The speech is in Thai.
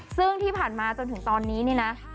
ซึ่งที่ผ่านมาจนถึงตอนนี้เนี่ยนะ